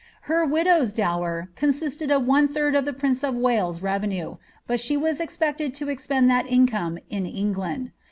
Her widow's dower consisted of one third of the prince of Wales' revenue, but she was ex« pccted to expend that income in England.